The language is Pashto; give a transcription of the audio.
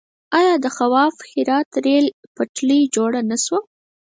آیا د خواف هرات ریل پټلۍ جوړه نه شوه؟